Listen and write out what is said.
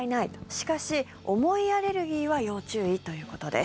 しかし、重いアレルギーは要注意ということです。